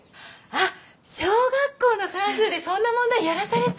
あっ小学校の算数でそんな問題やらされた！